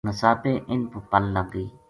نساپے اِنھ پو پَل لگ گئی